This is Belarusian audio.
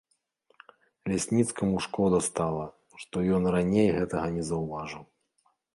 Лясніцкаму шкода стала, што ён раней гэтага не заўважыў.